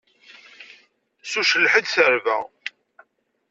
S ucelleḥ i d-terba.